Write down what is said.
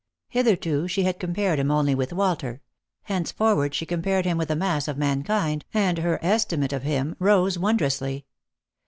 Hitherto she had compared him only with Walter; henceforward she com pared him with the mass of mankind, and her estimate of him Tose wondrously.